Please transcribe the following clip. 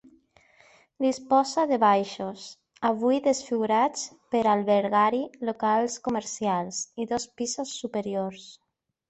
Disposa de baixos, avui desfigurats per albergar-hi locals comercials, i dos pisos superiors.